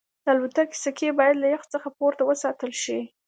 د الوتکې سکي باید له یخ څخه پورته وساتل شي